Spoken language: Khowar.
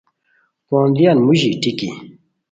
پوندیان موژی ٹیکی